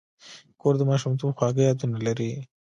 کور د ماشومتوب خواږه یادونه لري.